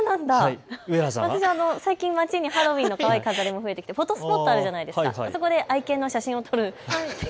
私は最近、街にハロウィーンも増えてきてフォトスポットあるじゃないですか、そこで愛犬の写真を撮る。